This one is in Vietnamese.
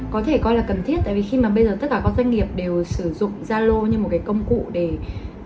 có thể coi là cần thiết tại vì khi mà bây giờ tất cả các doanh nghiệp